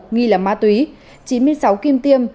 nghi là ma túy chín mươi sáu kim tiêm